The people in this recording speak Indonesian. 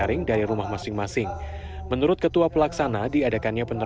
ini momen yang tepat